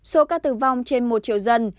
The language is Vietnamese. số ca tử vong trên một triệu dân